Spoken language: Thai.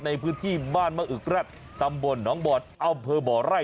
ในพื้นที่บ้านมะอึกแร็ดตำบลหนองบอดอำเภอบ่อไร่